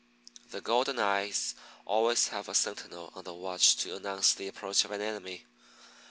The Golden eyes always have a sentinel on the watch to announce the approach of an enemy.